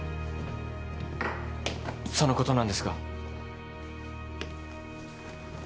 そのことなんですが。